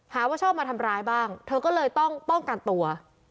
ว่าชอบมาทำร้ายบ้างเธอก็เลยต้องป้องกันตัว